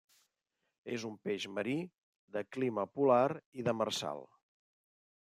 És un peix marí, de clima polar i demersal.